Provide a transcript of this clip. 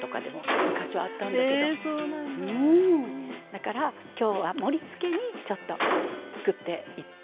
だから今日は盛りつけにちょっと作っていって。